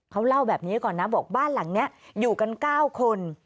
เขาเล่าแบบนี้ก่อนนะบอกบ้านหลังนี้อยู่กัน๙คน